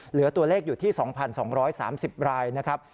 เหลือตัวเลขอยู่ที่๒๒๓๐รายนะครับ